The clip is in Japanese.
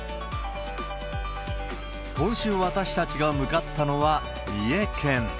今週、私たちが向かったのは三重県。